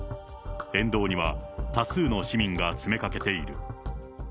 沿道には多数の市民が詰めかけている。